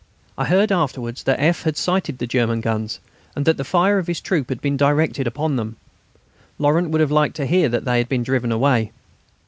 I heard afterwards that F. had sighted the German guns, and that the fire of his troop had been directed upon them. Laurent would have liked to hear that they had been driven away.